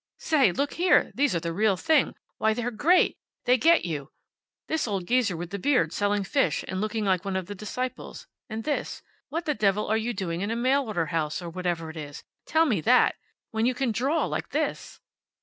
"Say, look here! These are the real thing. Why, they're great! They get you. This old geezer with the beard, selling fish and looking like one of the Disciples. And this. What the devil are you doing in a mail order house, or whatever it is? Tell me that! When you can draw like this!"